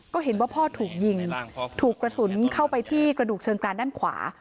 ก็เห็นว่าพ่อถูกยิงถูกกระสุนเข้าไปที่กระดูกเชิงกรานด้านขวา